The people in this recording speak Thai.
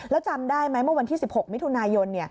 แล้วจำได้ไหมเมื่อวันที่๑๖มิถุนายน